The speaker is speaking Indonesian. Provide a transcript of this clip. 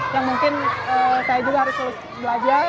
yang mungkin saya juga harus terus belajar